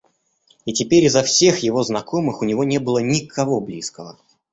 И теперь изо всех его знакомых у него не было никого близкого.